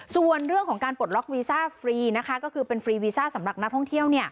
ส่วนเรื่องของการปลดล็อกวีซ่าฟรีนะคะก็คือเป็นฟรีวีซ่าสำหรับนักท่องเที่ยว